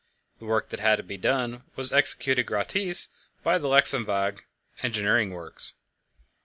The work that had to be done was executed gratis by the Laxevaag engineering works.